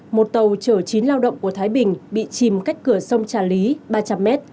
một tàu chở chín lao động của thái bình bị chìm cách cửa sông trà lý ba trăm linh m